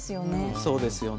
そうですよね。